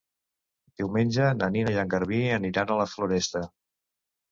Diumenge na Nina i en Garbí aniran a la Floresta.